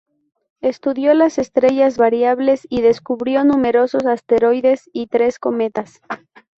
Estudió las estrellas variables y descubrió numerosos asteroides y tres cometas.